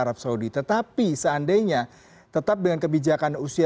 arah untuk pelaksanaan ibadah ini terbuka untuk umum semakin besar